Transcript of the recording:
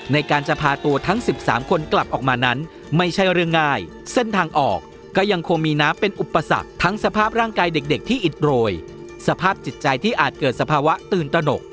ในการจะพาตัวทั้ง๑๓คนกลับออกมานั้นไม่ใช่เรื่องง่ายเส้นทางออกก็ยังคงมีน้ำเป็นอุปสรรคทั้งสภาพร่างกายเด็กที่อิดโรยสภาพจิตใจที่อาจเกิดสภาวะตื่นตนก